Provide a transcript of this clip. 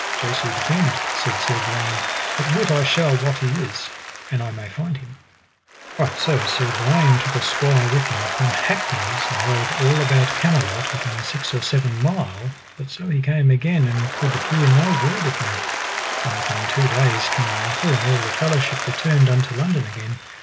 Jesu defend, said Sir Gawaine, but wit I shall what he is, an I may find him. Right so Sir Gawaine took a squire with him upon hackneys, and rode all about Camelot within six or seven mile, but so he came again and could hear no word of him. Then within two days King Arthur and all the fellowship returned unto London again.